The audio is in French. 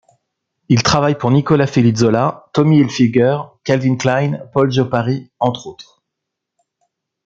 Il travaille pour Nicolas Felizola, Tommy Hilfiger, Calvin Klein, Paul Joe Paris, entre autres.